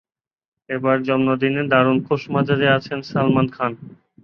এবার জন্মদিনে দারুণ খোশমেজাজে আছেন সালমান খান।